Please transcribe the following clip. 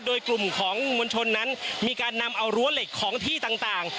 โดยกลุ่มของมวลชนนั้นมีการนำเอารั้วเหล็กของที่ต่าง